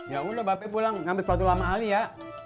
ya allah bapak pulang ngambil sepatu lama alia